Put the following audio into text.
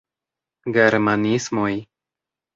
Germanismoj?